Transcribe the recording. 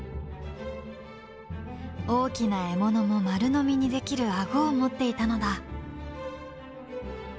大きな獲物も丸飲みにできるあごを持っていたのだ。